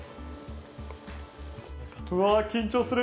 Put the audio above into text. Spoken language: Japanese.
うわ緊張する！